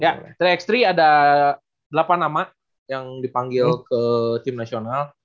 ya tiga x tiga ada delapan nama yang dipanggil ke tim nasional